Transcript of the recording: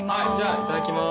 いただきまーす。